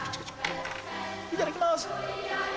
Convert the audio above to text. いただきます。